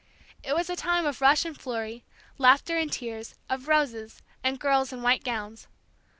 It was a time of rush and flurry, laughter and tears, of roses, and girls in white gowns.